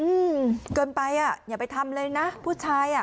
อืมเกินไปอ่ะอย่าไปทำเลยนะผู้ชายอ่ะ